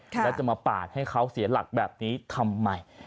แล้วจะมาปาดให้เขาเสียหลักแบบนี้ทำไม